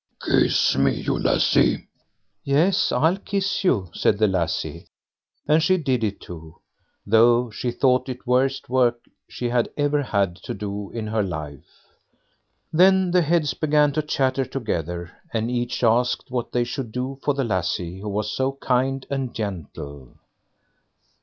"Kiss me, you lassie!" "Yes, I'll kiss you", said the lassie, and she did it too, though she thought it the worst work she had ever had to do in her life. Then the heads began to chatter together, and each asked what they should do for the lassie who was so kind and gentle.